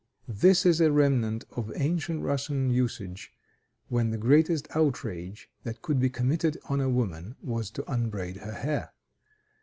This is a remnant of ancient Russian usage, when the greatest outrage that could be committed on a woman was to unbraid her hair.